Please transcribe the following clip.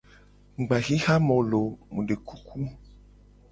Mu gba xixa mu lo o mu de kuku.